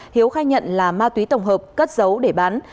hiếu khai nhận là ma túy tổng hợp cất giấu để bán